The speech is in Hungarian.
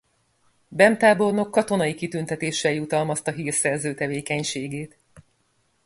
Bem tábornok katonai kitüntetéssel jutalmazta hírszerző tevékenységét.